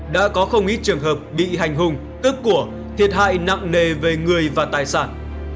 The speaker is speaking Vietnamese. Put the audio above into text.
đã có không ít trường hợp bị hành hùng cướp của thiệt hại nặng nề về người và tài sản